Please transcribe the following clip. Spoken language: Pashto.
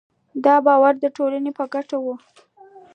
دا په باور د ټولنې په ګټه وو.